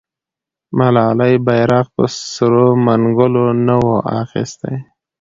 ملالۍ بیرغ په سرو منګولو نه و اخیستی.